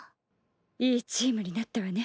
いいチームになったわね。